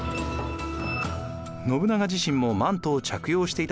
信長自身もマントを着用していたといわれます。